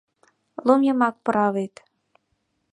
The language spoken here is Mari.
Лум йымак пура вет.